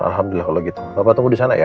alhamdulillah kalau gitu papa tunggu disana ya